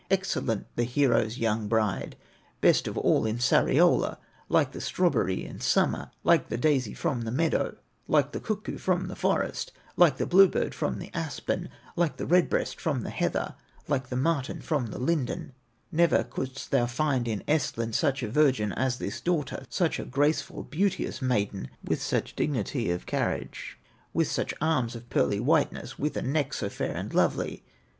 Excellent the hero's young bride, Best of all in Sariola, Like the strawberry in summer, Like the daisy from the meadow, Like the cuckoo from the forest, Like the bluebird from the aspen, Like the redbreast from the heather, Like the martin from the linden; Never couldst thou find in Ehstland Such a virgin as this daughter, Such a graceful beauteous maiden, With such dignity of carriage, With such arms of pearly whiteness, With a neck so fair and lovely.